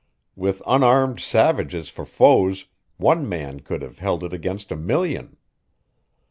With unarmed savages for foes, one man could have held it against a million.